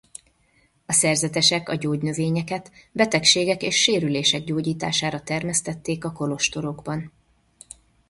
A szerzetesek a gyógynövényeket betegségek és sérülések gyógyítására termesztették a kolostorokban.